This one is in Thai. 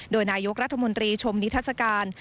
โดยนายกรัฐมนตรีชมนิทัศกาล